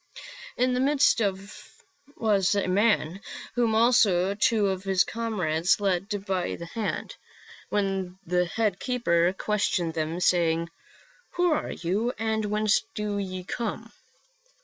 In the midst was a man, whom also two of his comrades led by the hand. When the head keeper questioned them, say ing, ' Who are you and whence do ye come